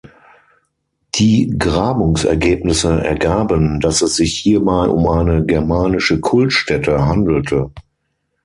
Die Grabungsergebnisse ergaben, dass es sich hierbei um eine germanische Kultstätte handelte.